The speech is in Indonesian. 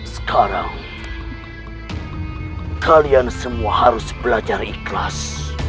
sekarang kalian semua harus belajar ikhlas